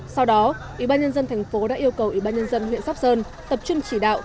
sau đó ủy ban nhân dân thành phố đã yêu cầu ủy ban nhân dân huyện sóc sơn tập trung chỉ đạo